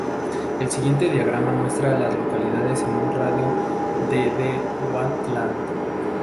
El siguiente diagrama muestra a las localidades en un radio de de Wheatland.